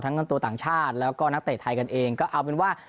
เงินตัวต่างชาติแล้วก็นักเตะไทยกันเองก็เอาเป็นว่า